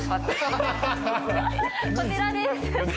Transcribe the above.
こちらです。